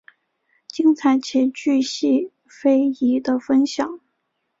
精彩且钜细靡遗的分享